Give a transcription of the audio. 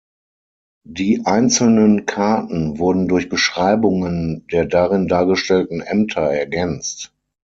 Die einzelnen Karten wurden durch Beschreibungen der darin dargestellten Ämter ergänzt.